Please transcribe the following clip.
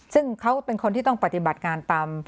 ซึ่งเขาเป็นคนที่ต้องปฏิบัติงานตาม